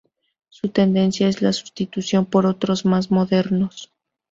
Su tendencia es la sustitución por otros más modernos.